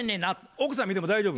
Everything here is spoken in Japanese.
奥さん見ても大丈夫。